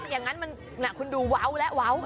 เมนมือยว้าว